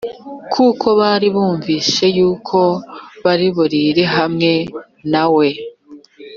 kuko bari bumvise yuko bari burire hamwe na we